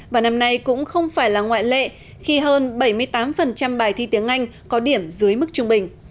và năm nay cũng không phải là ngoại lệ khi hơn bảy mươi tám bài thi tiếng anh có điểm dưới mức trung bình